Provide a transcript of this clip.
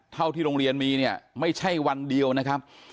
เท่าที่โรงเรียนมีเนี่ยไม่ใช่วันเดียวนะครับ